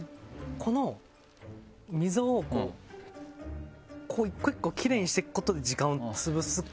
この溝を１個１個きれいにしていくことで時間を潰すか。